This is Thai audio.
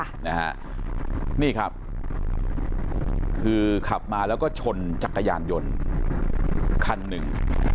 นี่ครับคือขับมาแล้วก็ชนจักรยานยนต์คันหนึ่ง